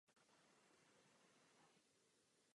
Byla velmi zbožná.